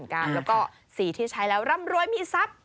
แล้วก็สีที่ใช้แล้วร่ำรวยมีทรัพย์